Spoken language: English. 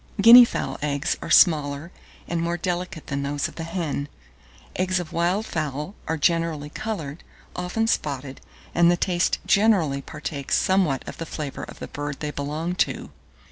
Guinea fowl eggs are smaller and more delicate than those of the hen. Eggs of wild fowl are generally coloured, often spotted; and the taste generally partakes somewhat of the flavour of the bird they belong to.